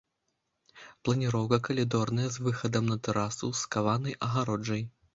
Планіроўка калідорная з выхадам на тэрасу з каванай агароджай.